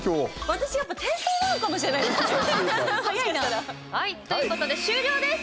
私、やっぱ天才なのかもしれないですね。ということで終了です。